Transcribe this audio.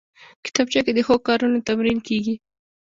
کتابچه کې د ښو کارونو تمرین کېږي